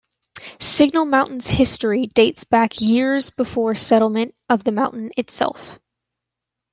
Signal Mountain's history dates back years before settlement of the mountain itself.